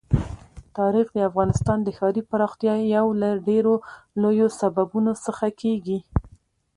تاریخ د افغانستان د ښاري پراختیا یو له ډېرو لویو سببونو څخه کېږي.